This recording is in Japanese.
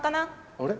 あれ？